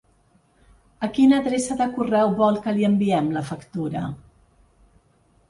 A quina adreça de correu vol que li enviem la factura?